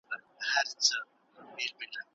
کليوال خلګ په کرنه بوخت وي.